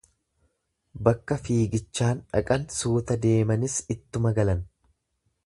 Bakka fiigichaan dhaqan suuta deemanis ittuma galan.